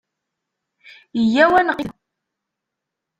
Yya-w ad neqqimet da.